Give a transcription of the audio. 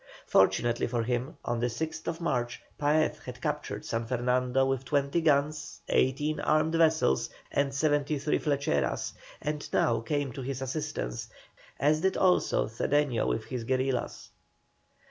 Fortunately for him, on the 6th March Paez had captured San Fernando, with twenty guns, eighteen armed vessels, and seventy three flecheras, and now came to his assistance; as did also Cedeño with his guerillas.